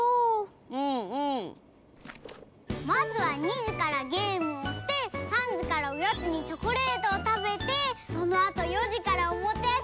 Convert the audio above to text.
まずは２じからゲームをして３じからおやつにチョコレートをたべてそのあと４じからおもちゃやさんにいって。